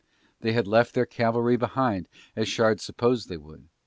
They had left their cavalry behind as Shard supposed they would.